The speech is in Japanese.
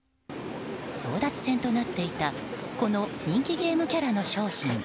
争奪戦となっていたこの人気ゲームキャラの商品。